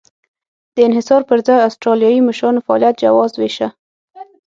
د انحصار پر ځای اسټرالیایي مشرانو فعالیت جواز وېشه.